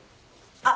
あっ。